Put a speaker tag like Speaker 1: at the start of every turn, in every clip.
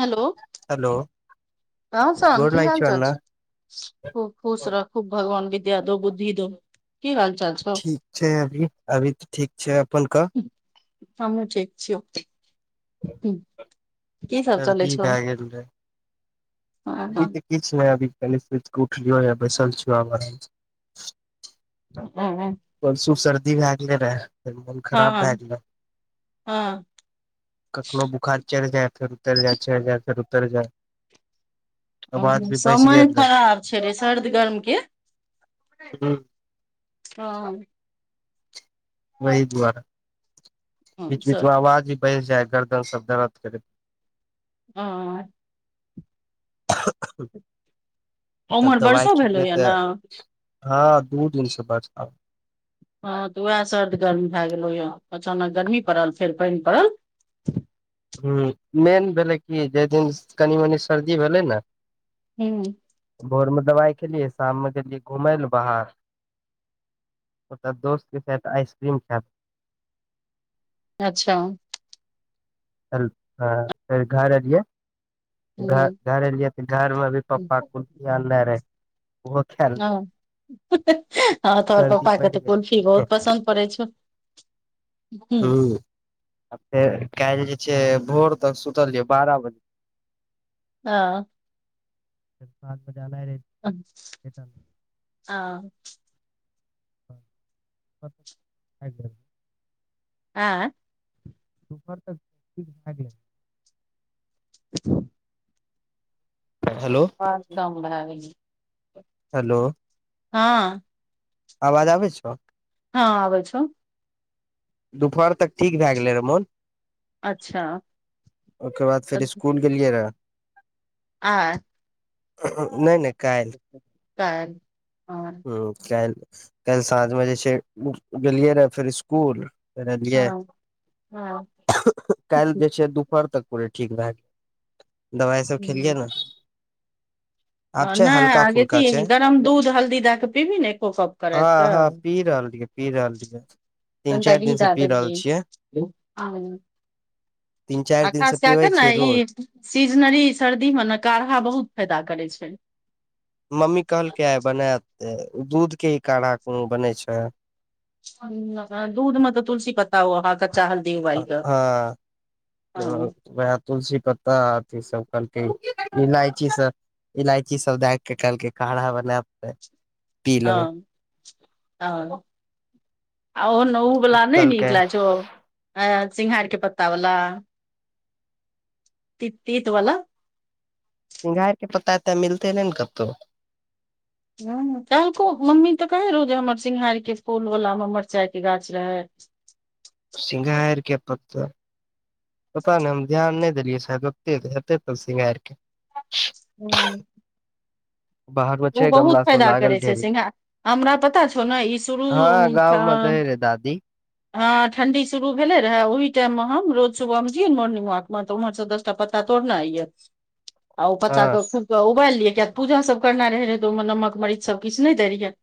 Speaker 1: hello
Speaker 2: hello
Speaker 1: तहसन
Speaker 2: गोर
Speaker 1: कि
Speaker 2: लागै
Speaker 1: हाल
Speaker 2: छौ
Speaker 1: चाल
Speaker 2: अन्ना
Speaker 1: छै खूब खुश रहु खूब भगवान विद्या दो बुद्धि दो की हाल चाल छौ
Speaker 2: ठीक छै अभी अभी तऽ ठीक छै अपन कह
Speaker 1: हमहु ठीक छी की सब चलै
Speaker 2: सर्दी
Speaker 1: छो
Speaker 2: भए गेल रहे अभी तऽ किछ नहि अभी क उठलियो य बैसल छिय आराम
Speaker 1: ह्म ह्म
Speaker 2: परसु सर्दी भए गेलै रह फेर मोन खराब भए गेलै
Speaker 1: हाँ
Speaker 2: कखनो बुखार चढ़ि जायत फेर उतैर जायत चढ़ि जायत फेर उतैर जायत
Speaker 1: ओ समय
Speaker 2: गेल रहे
Speaker 1: खराब छै रे सर्द गर्म के
Speaker 2: हूँ,
Speaker 1: हाँ
Speaker 2: ताही दुआरे
Speaker 1: हँ
Speaker 2: बीच बीच
Speaker 1: सर्द
Speaker 2: आवाज भी बस जाय है गर्दन सब दरर्द करे
Speaker 1: हाँ
Speaker 2: तब
Speaker 1: उम्हर
Speaker 2: दवाई
Speaker 1: बरसो भेलौ
Speaker 2: खेलियै
Speaker 1: या
Speaker 2: तऽ
Speaker 1: ने
Speaker 2: हाँ दू दिन से बड
Speaker 1: हँ तऽ उएह सर्द गर्म भए गेलो यौ अचानक गर्मी पड़ल फेर पइन पड़ल
Speaker 2: ह मेन भेलै कि जे दिन कनि मनी सर्दी भेलै ने
Speaker 1: ह्म
Speaker 2: भोरमे दवाई खेलियै शाम मे गेलियै घुमै लए बाहर ओ दोस्त के साथ आइसक्रीम खा
Speaker 1: अच्छा
Speaker 2: च हँ फेर घर एलियै घर
Speaker 1: हँ
Speaker 2: घर एलियै तऽ घरमे भी पप्पा कोन चिज अनले रहै
Speaker 1: हाँ हाँ तोहर
Speaker 2: सर्दी
Speaker 1: पप्पा के
Speaker 2: बढ़ि
Speaker 1: तऽ कुलफी
Speaker 2: गेलै
Speaker 1: बहुत पसन्द परै छो
Speaker 2: ह आ फेर काल्हि जे छै भोर तक सुतलियै बारह बजे
Speaker 1: ओ
Speaker 2: साथ बज ला रहतै [unintelligible]
Speaker 1: आ हँ
Speaker 2: [unintelligible]
Speaker 1: आँ
Speaker 2: और सब तऽ ठीक भए गेलै
Speaker 1: [inaudible]
Speaker 2: हेलो
Speaker 1: हरदम भ गे छै
Speaker 2: हेलो
Speaker 1: हँ
Speaker 2: आवाज आबै छौ
Speaker 1: हँ आबै छौ
Speaker 2: दुपहर तक ठीक भ गेलय मन
Speaker 1: अच्छा
Speaker 2: ओकर बाद फेर स्कूल गेलियै रह
Speaker 1: आ
Speaker 2: ह ह नहि नहि कालि
Speaker 1: काइल हँ
Speaker 2: ह काल्हि काल्हि साँझ मे जे छै गेलियै रहऽ फेर इसकुल लियै
Speaker 1: हँ हँ
Speaker 2: काल्हि जे छै दुपहर तक पुरे ठीक भए गेल दबाइ सभ खेलियै ने आब
Speaker 1: ह
Speaker 2: छै हल्का फुल्का
Speaker 1: नहिगे
Speaker 2: छै
Speaker 1: गरम दूध हल्दी द क पिबी ने एको कप क
Speaker 2: हँ हँ पी
Speaker 1: राति
Speaker 2: रहल रहियै पी
Speaker 1: क
Speaker 2: रहल रहियै तीन
Speaker 1: तनिका
Speaker 2: चारि दिन
Speaker 1: घी
Speaker 2: से
Speaker 1: द
Speaker 2: पी रहल छियै
Speaker 1: देलिये
Speaker 2: तीन चारि दिन
Speaker 1: अखन
Speaker 2: से
Speaker 1: स कए एते
Speaker 2: पीबै
Speaker 1: ने
Speaker 2: छियै रोज
Speaker 1: ई सीजनरी सर्दी मे न काढ़ा बहुत फायदा करै छै
Speaker 2: मम्मी कहलकै आइ बनात ओ दूध के कोनो काढ़ा कोनो बनै छै
Speaker 1: दूध मतलब तुलसी पत्ता ओ आहा क चा हल्दी उबालि कऽ
Speaker 2: हँ
Speaker 1: हँ
Speaker 2: त वैह तुलसी पत्ताथ ई सब करलके इलायची सब इलायची सब दए के कहलके काढ़ा बनाब
Speaker 1: हँ ह ऑ आउ न उ बला नहि नीक
Speaker 2: कहलकै
Speaker 1: लाग छो सिंघार के पत्ता वाला त तीत वला
Speaker 2: सिघार के पतातऽ एतह मिलते नहि ने कतहु
Speaker 1: ह कहलको मम्मी तऽ कहे रहौ जे हमर सिंघार के फूल वला मे मिरचाई के गाछ रहे
Speaker 2: सिंघार के पत्ता पता नहि हम ध्यान नहि देलियै शायद ओते ऐतै तब शृंगार के
Speaker 1: हुँ
Speaker 2: बाहर मे छै गमला सब
Speaker 1: फायदा करै
Speaker 2: लागल
Speaker 1: छै
Speaker 2: ढेरी
Speaker 1: सिंघार हमरा पता छौ ने ई शुरू
Speaker 2: हँ गाममे तै रह दादी
Speaker 1: हँ ठंडी शुरू भेले रहे ओहि टाइम मे हम रोज सुबह मे जियै मोर्निंग वॉक म उम्हर सब दस टा पता तोड़ना अये आ ओ
Speaker 2: हँ
Speaker 1: पत्ता के उबालल लिये किया पूजा सब करना है सभ किछु नै देलिए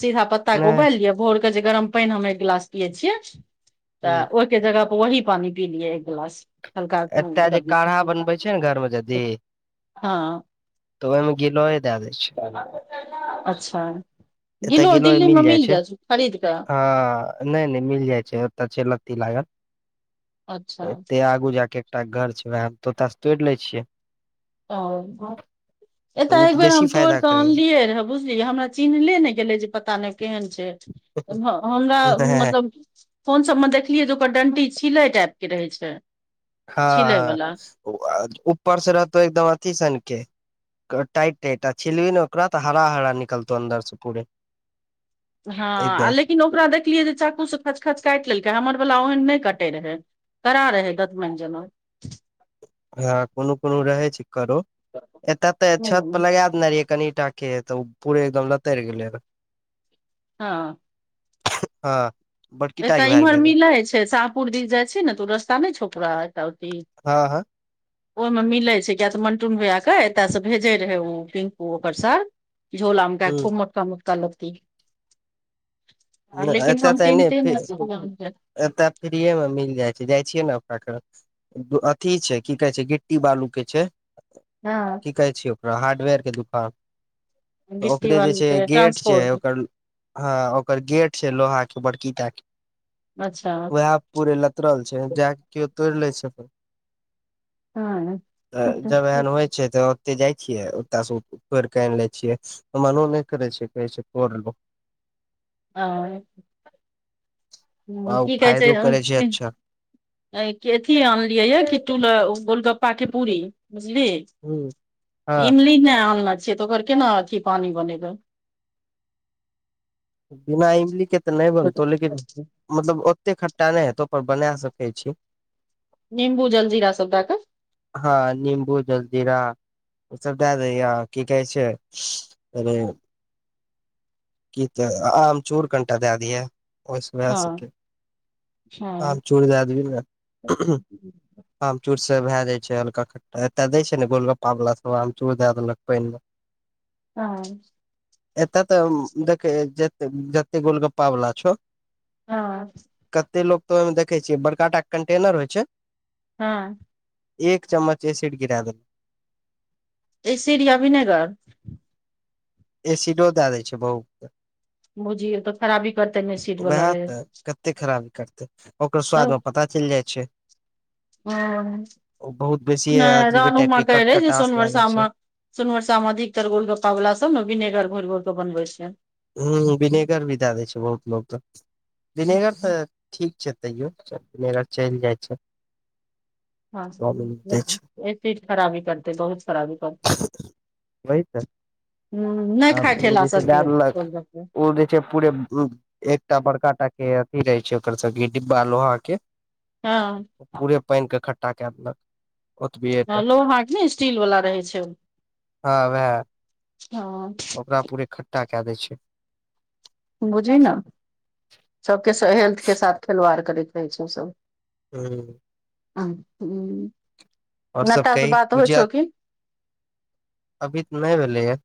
Speaker 1: सीधा पत्ता कें
Speaker 2: नहि
Speaker 1: उबाइल लिअ भोरे कहै छियै हम पानि एकगिलास पिय छियै
Speaker 2: ह
Speaker 1: त जगह पर वही पानी पी लियै एक गिलास हल्का
Speaker 2: एतय जे काढ़ा बनबै छै ने घर मे जदी
Speaker 1: हँ
Speaker 2: तऽ ओहिमे घी लोेय दए दै छै
Speaker 1: अच्छा
Speaker 2: एतय
Speaker 1: गिलो
Speaker 2: गिलोय
Speaker 1: दिल्ली मे
Speaker 2: जाइ
Speaker 1: मिल जायत छै खरीद कऽ
Speaker 2: हँ नहि नहि मिल जाइ छै ओतय छै लत्ती लागल
Speaker 1: अच्छा
Speaker 2: एे बूजा के एकटा घर छै वएह तोता स तोड़ि ले छियै
Speaker 1: आ
Speaker 2: तऽ ओ
Speaker 1: एतऽ एक
Speaker 2: तऽ
Speaker 1: बेर
Speaker 2: बेसी
Speaker 1: हम
Speaker 2: फायदा
Speaker 1: तोड़िकऽ आनलियए रहै बुझलिय हमरा चिन्हले ने गेले जे पता नै केहन छै कठ ह हमरा
Speaker 2: करे
Speaker 1: मतलब फोन सब में देखलियै जे ओकर डंटी छिले टाइप के रहै छै छिलै
Speaker 2: हँ
Speaker 1: वाला
Speaker 2: ह उ ऊपर से रहतौ एकदम अथी सन के टाइट टाइट आ छिलबिही ने ओकरा तऽ हरा हरा निकलतौ अन्दरसँ पूरे
Speaker 1: हँ आ
Speaker 2: एकदम
Speaker 1: लेकिन ओकरा देखलियै जे चाकू सँ खचखच काटि लेलकै हमर वला ओहन नहि कटै रहै कड़ा रहै दतमैन‌ जैना
Speaker 2: हँ कोनो कोनो रहे छै करो एते त छत पर
Speaker 1: हूँ,
Speaker 2: लगा देने रहिए कनि टाके है तऽ ओ पूरे एकदम लतरि गेले रहै
Speaker 1: हँ
Speaker 2: हाँ
Speaker 1: एतऽ इम्हर मिलै छै शाहपुर दिस जाइ छै ने तऽ रस्ता नहि छकरा एऽ ओ
Speaker 2: हँ हँ
Speaker 1: ओहि में मिलै छै किया कि तऽ मन्टुन भैया एतय सँ भेजै रहै ओ पिंकू ओकर सार झोला में काइट
Speaker 2: ह
Speaker 1: खूब मोटका मोटका लत्ती
Speaker 2: न
Speaker 1: लेकिन
Speaker 2: एतऽ तऽ नहि
Speaker 1: [unintelligible]
Speaker 2: एतय फ्रीए मे मिल जाइ छै जाइ छियै ने अपना अथी छै की कहै छै गिट्टी बालू के छै
Speaker 1: हांँ
Speaker 2: की कहै छै ओकरा हार्डवेयर के दुकान तऽ
Speaker 1: गिट्टी
Speaker 2: ओकरे जे
Speaker 1: वाली
Speaker 2: छै
Speaker 1: के
Speaker 2: गेट छै
Speaker 1: ट्रांसपोर्ट
Speaker 2: ओकर हाँ ओकर गेट छै लोहा के बड़की टा के
Speaker 1: अच्छा
Speaker 2: अब पूरे लतरल छै जा के केओ तोड़ ले छै आ
Speaker 1: हँ
Speaker 2: तऽ जब एहन होइ छै तऽ ओते जाइ छियै ओतय से तोर के आनि ले छियै मनो नहि करे छै कहै छै तोर लो
Speaker 1: आंए हुँ
Speaker 2: आ ओ
Speaker 1: की कहै छै
Speaker 2: फायदो करै
Speaker 1: अहाँके
Speaker 2: अच्छा
Speaker 1: अंऐ कथि आनलियै यऽ किटू लेय गोलगप्पा के पूरी बुझलि
Speaker 2: ह हँ
Speaker 1: इमली नहि आनल छियै तऽ ओकर केना अथी पानि बनेबै
Speaker 2: बिना इमली के तऽ नहि बनतौ लेकिन मतलब ओते खट्टा नहि हेतौ पर बना सकै छी
Speaker 1: निम्बू जल्जीरा सब देए कऽ
Speaker 2: हाँ निम्बू जलजीरा ओ सब दैए दिहिं आ की कहै छै अरे की तऽ आमचूर कनिटा दए दिह ओहि सँ भए
Speaker 1: हँ
Speaker 2: सके
Speaker 1: हँ
Speaker 2: आमचूर दए देबी ने आमचूर सब भए जाइ छै हल्का खट्टा एतय दै छै ने गोलगप्पा बला सब आमचूर दए देलक पानि में
Speaker 1: हाँ
Speaker 2: एतय तऽ देखे ज जतेक गोलगप्पा वाला छौ
Speaker 1: हाँ
Speaker 2: कते लोग तऽ ओहि में देखे छियै बड़का टा कंटेनर होइ छै
Speaker 1: हाँ
Speaker 2: एक चम्मच एसिड गिरा देल
Speaker 1: ईएसिड या बिनेगर
Speaker 2: एसिडो दए दै छै बहुकें
Speaker 1: बुझिय तऽ खराबी करतै ने एसीड
Speaker 2: उएह तऽ कते खराबी करतै ओकर स्वाद मे पता चलि जाइ छै
Speaker 1: ओह
Speaker 2: ओ बहुत बेसी
Speaker 1: नहि
Speaker 2: अजीबे
Speaker 1: रनु
Speaker 2: टाइप
Speaker 1: माँ
Speaker 2: के
Speaker 1: कैहे रहै जे
Speaker 2: कटकटास लागे
Speaker 1: सोनवर्षा
Speaker 2: छै
Speaker 1: मे सोनवर्षा में अधिक तर गोल गोलगप्पा सब ने बिनेगर घोरि घोर कऽ बनबे छियै
Speaker 2: हुँ विनेगर भी दऽ देै छै बहुत लोक तऽ विनेगर तऽ ठीक छै तैयो विनेगर चलि जाइ छै
Speaker 1: हाँ
Speaker 2: चाउमिन दै छै
Speaker 1: चीज खराबी करतै बहुत खराबी करते
Speaker 2: वही
Speaker 1: हुँ नहि खाय
Speaker 2: तऽ ओ
Speaker 1: ठेला
Speaker 2: जे छै दए
Speaker 1: सबकें
Speaker 2: देलक
Speaker 1: गोलगप्पे
Speaker 2: ओ जे छै पूरे हुँ एकटा बड़का टा के अथी रहे छै ओकर सबके डिब्बा लोहा के
Speaker 1: हँ
Speaker 2: पूरे पानिके खटठ्ठा कए देलक ओतबी
Speaker 1: हँ
Speaker 2: एकटा
Speaker 1: लोहा ने स्टील वाला रहै छै हँ
Speaker 2: पूरा पुरे खठ्ठटा क दय छै
Speaker 1: बुझी ने सबके हेल्थ के साथ खेलवाड़ करैत रहै छै सब
Speaker 2: हुँ
Speaker 1: हुँ
Speaker 2: और सब
Speaker 1: नेता स
Speaker 2: कही
Speaker 1: बात होइ
Speaker 2: गुजिया
Speaker 1: छौ की
Speaker 2: अभी तऽ नहि भेलैय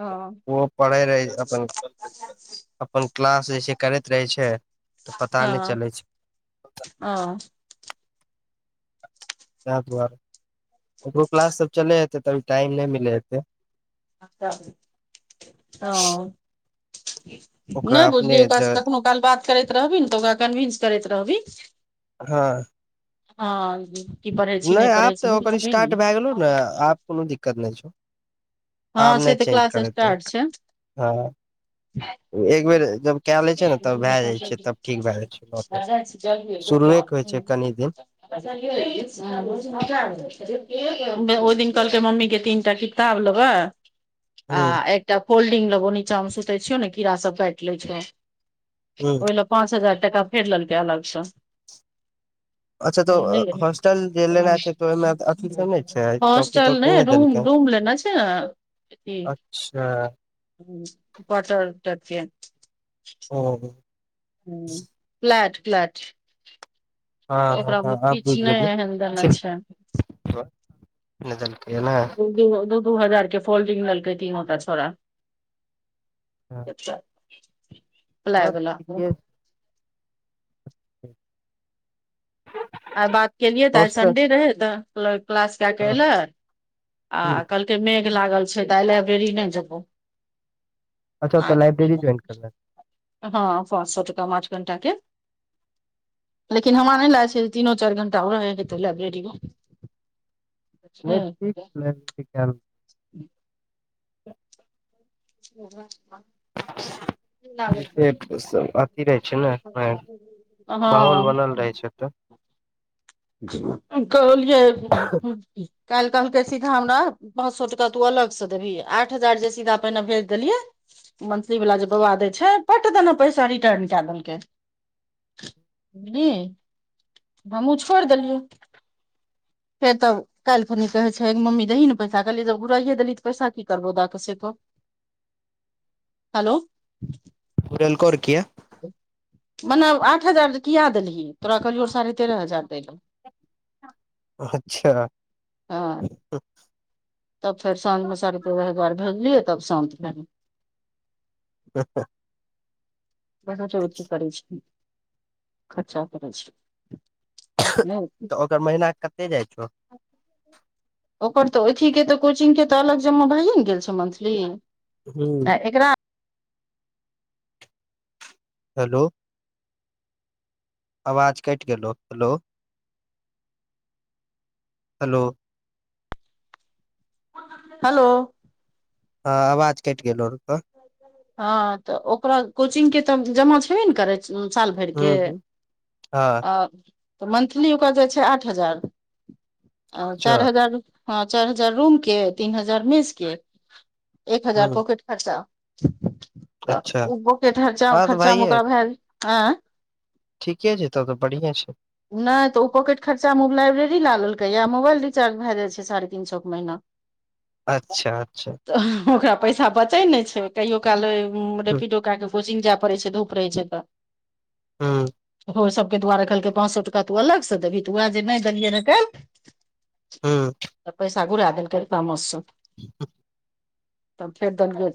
Speaker 1: हँ
Speaker 2: ओ पढ़ै रहै अपन अपन क्लास जे छै करैत रहै छै तऽ पता नहि चलै छै
Speaker 1: अ -
Speaker 2: ताहि दुआरे ककरो क्लास सब चलै हेतै तभी टाइम नहि मिलै हेतै
Speaker 1: हँ
Speaker 2: ओकरा
Speaker 1: नहि
Speaker 2: अपने
Speaker 1: बुझलियै ओकरा
Speaker 2: ज
Speaker 1: सँ कखनऊ काल बात करैत रहबि ने तऽ ओकरा कन्विन्स करैत रहबिही
Speaker 2: हँ
Speaker 1: हँ की पढ़ै छी
Speaker 2: नहि आब
Speaker 1: पढ़ै छी
Speaker 2: तऽ ओकर स्टार्ट भए गेलौ ने आब कोनो दिक्कत नहि छौ आब
Speaker 1: हँ से
Speaker 2: नै
Speaker 1: तऽ
Speaker 2: चेंज
Speaker 1: क्लास
Speaker 2: करेतो
Speaker 1: स्टार्ट
Speaker 2: हँ एकबेर जब कए लै छै ने तब भए जाइ छै तब ठीक भए जाइ छै घर पर
Speaker 1: जल्द त [unintelligible] [unintelligible] ओहि दिन कहलकै मम्मीे तीनटा क ताब लैबे आ
Speaker 2: हूं
Speaker 1: एकटा फोल्डिंग लेबौ नीचा मे सुतै छियौ ने कीड़ा सब काटि लै छ
Speaker 2: हूं
Speaker 1: ओहि लेल पाँच हजार टाका फेर लेलकै अलगसँ
Speaker 2: अच्छा तऽ
Speaker 1: [unintelligible] नै रहै
Speaker 2: हॉस्टल जे लेना छै तऽ ओहिमे अथी सब नहि छै चौकी
Speaker 1: चल ने
Speaker 2: तौकी नहि
Speaker 1: रूम
Speaker 2: देलकै
Speaker 1: रूम लेने छै
Speaker 2: अच्छा
Speaker 1: बटर टाइप के
Speaker 2: ओ
Speaker 1: ह प्लैट प्लैट
Speaker 2: हँ ह ह आब बुझ
Speaker 1: किछु नहि
Speaker 2: गेलिय
Speaker 1: एहन देने छै
Speaker 2: ने देल्के नै
Speaker 1: दो दू हजार के फोल्डिंग लेलकै तीनू टा छोड़ा अच्छा
Speaker 2: आओर ठीके [inaudible]
Speaker 1: आइ बात केलियै तऽ आइ
Speaker 2: हॉस्टल
Speaker 1: संडे रहे त क्ल क्लास क के
Speaker 2: हँ
Speaker 1: एले आ
Speaker 2: हूं
Speaker 1: कह के मेघ लागल छै तऽ आइ लाइब्रेरी नै जेबो
Speaker 2: अच्छ तऽ लायब्ररी जॉइन करल
Speaker 1: हँ पाँच सए टका पाँच घण्टा के लेकिन हमरा नहि लागै छै तीनो चारि घं्टा रहैत हेतै लाइब्रेरी मे
Speaker 2: नहि ठीक [unintelligible]
Speaker 1: [inaudible]
Speaker 2: [inaudible]
Speaker 1: [unintelligible] [unintelligible]
Speaker 2: देखिये अथी रहै छै ने माहौल बनल रहै छै तऽ
Speaker 1: हँ कहलियै काल्हि कहलकै सीधा हमरा पाँच सए टाका तू अलग से देबही आठ हजार जे सीधा पहिने भेज देलियै मंथली वाला जे बौआ दै छै पट दना पैसा रिटर्न कए देलकै हू हमहूँ छोड़ि देलियै है तब काल्हिखनी कहै छै मम्मीही ने पैसा कहली जब घुराइए देली तऽ पैसा क करबौ दऽ कऽ सेतो हलो
Speaker 2: घूरेलकर किए
Speaker 1: मने आठ हजार किया देलही तोरा कहलियौ साढ़े तेरह हजार दैय लए
Speaker 2: अच्छा
Speaker 1: हँ तब फेर साँझमे सड़ प दुआर भेजलियै तब शान्त भैलय
Speaker 2: हू हू
Speaker 1: बा ज अथी करै छै खर्चा करै छै नहि
Speaker 2: ओकरा महीना कते जाइ छौ
Speaker 1: ओकर तऽ अथी के तऽ कोचिंग के तऽ अलग जमा भएए ने गेल छै मंथली
Speaker 2: हू
Speaker 1: आ एकरा
Speaker 2: हेलो आवाज कटि गेलो हेलो हेलो
Speaker 1: हलो
Speaker 2: ह आवाज कटि गेलो
Speaker 1: हँ तऽ ओकरा कोचिंग के तऽ जमा छेबे न करे साल भरि
Speaker 2: हूं
Speaker 1: के
Speaker 2: हूं हँ
Speaker 1: आ तऽ मंथली ओकर जाइ छै आठ हजार आ
Speaker 2: अच्छा
Speaker 1: चारि हजार हँ चारि हजार रूम के तीन हजार मेस के एक हजार
Speaker 2: हूं
Speaker 1: पॉकेट खर्चा त
Speaker 2: अच्छा
Speaker 1: उ के खर्चा
Speaker 2: हँ तऽ
Speaker 1: खर्चा मे
Speaker 2: भाइये
Speaker 1: ओकरा भेल अँ
Speaker 2: ठीके छै तबतऽ बढ़िया छै
Speaker 1: नहि तऽ ओ पॉकेट खर्चामे लाइब्रेरी ल लेलकै य मोबाइल रिचार्ज भए जा छै साढ़े तीन सए के महीना [inaudible]
Speaker 2: अच्छा अच्छा
Speaker 1: त ओकरा पैसा बचै नहि छै कहियो काल
Speaker 2: हूं
Speaker 1: रेपिडो कए क कोचिंगग जाय पड़ै छै धूप रहै छै तऽ [inaudible]
Speaker 2: हूँ
Speaker 1: ओहे सबके दुआरे कहलकै पाँच सए टका तू अलग से देबही तऽ उएह जे नहि देलियै ने काल
Speaker 2: हूं
Speaker 1: त पैसा घुरा देलकै तामस सँ
Speaker 2: ह
Speaker 1: तब फेर तनिको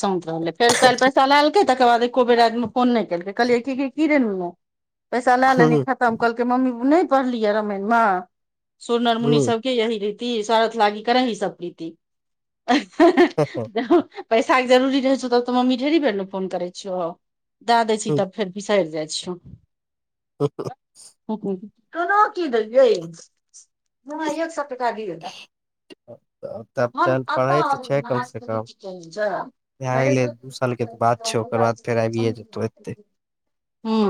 Speaker 1: शांत रहलै फेर दे चलालकै तकर बाद एको बेर राति मे फोन नहि केलकै कहलियै की रे नुनु चलालेही खतम कहलकै मम्मी नहि पढ़लियय रामायण मे सुरनर मुनि
Speaker 2: हूं
Speaker 1: सब यही रीति स्वारथ लागी करै ह सब प्रीति पैसा के जरुररी रहै छौ तब तऽ मम्मी ढेरी बेर ने फोन करै छियौ दए दै छी
Speaker 2: हूं
Speaker 1: तब फेर बिसरि जाइ छियौ
Speaker 2: हुँ
Speaker 1: तनो की देलयै मु एक सपक दि गेल
Speaker 2: तब
Speaker 1: हम
Speaker 2: चल
Speaker 1: ऐतअ
Speaker 2: पढ़ै
Speaker 1: [unintelligible]
Speaker 2: तऽ
Speaker 1: [unintelligible]
Speaker 2: छै कम से कम भए गेलै दू साल के तऽ बात छै ओकर बाद फेर आबिये जेतौ एते
Speaker 1: हुँ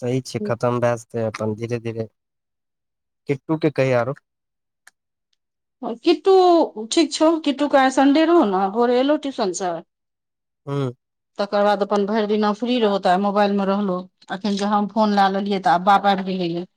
Speaker 2: सही छै खतम भए जेतै अपन धीरे धीरे किटु के कही आरो
Speaker 1: किट्टू ठीक छौ किट्टू के आइ सन्डे रहो ने घर एलो टियूशन स
Speaker 2: हुँ
Speaker 1: तकर बाद अपन भरि दिना फ्री रहलो त मोबाइल मे रहलो अखन क हम फोन लए लेलियै तऽ अबाप बाढ़ि जे हइयए